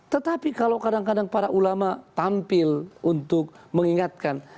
tetapi kalau kadang kadang para ulama tampil untuk mengingatkan